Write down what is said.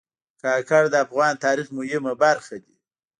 کاکړ د افغان تاریخ مهمه برخه دي.